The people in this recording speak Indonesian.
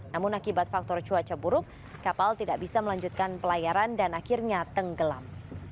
namun akibat faktor cuaca buruk kapal tidak bisa melanjutkan pelayaran dan akhirnya tenggelam